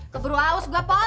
keburu haus gua po